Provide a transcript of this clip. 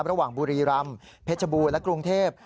ระหว่างบุรีรำเพชรบูรณ์และกรุงเทพฯ